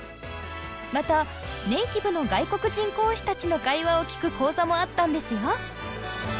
またネイティブの外国人講師たちの会話を聴く講座もあったんですよ。